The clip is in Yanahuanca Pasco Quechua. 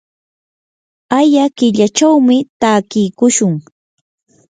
aya killachawmi takiykushun.